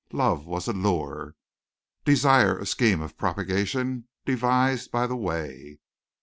Love was a lure; desire a scheme of propagation devised by the way.